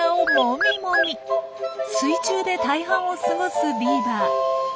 水中で大半を過ごすビーバー。